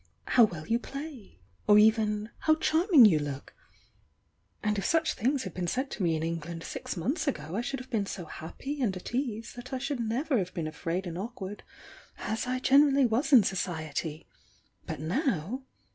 'How well you play!' or even 'How charming you look!' and if such things had been said to me in England sue months ago I should have been so happy and at ease that I should never have Iseen afraid and awkward as I generally was in society — but now!